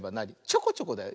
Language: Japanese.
ちょこちょこだよ。